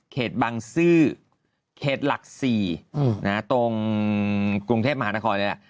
เขตบ้างซื่อเขตหลักศรีนะตรงกรุงเทพมหาตะคอแล้ว